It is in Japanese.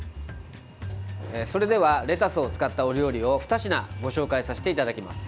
それではレタスを使ったお料理を２品ご紹介させていただきます。